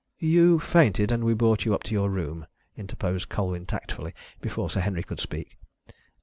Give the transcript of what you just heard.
"You fainted, and we brought you up to your room," interposed Colwyn tactfully, before Sir Henry could speak.